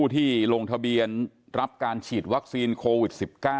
ที่ลงทะเบียนรับการฉีดวัคซีนโควิด๑๙